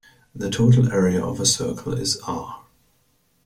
The total area of a circle is "r".